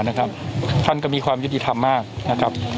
ในการต่อสู้คดีถูกว่าเป็นวิธีดีไหมครับ